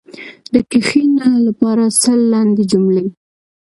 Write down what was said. د “کښېنه” لپاره سل لنډې جملې: